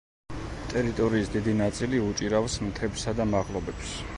ტერიტორიის დიდი ნაწილი უჭირავს მთებსა და მაღლობებს.